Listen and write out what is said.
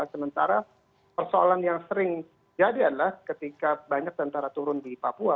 sementara persoalan yang sering jadi adalah ketika banyak tentara turun di papua